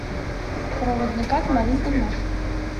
Проводникат марий улмаш.